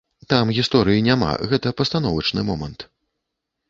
Там гісторыі няма, гэта пастановачны момант.